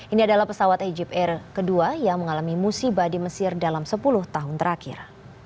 ini adalah pesawat egypt air kedua yang mengalami musibah di mesir dalam sepuluh tahun terakhir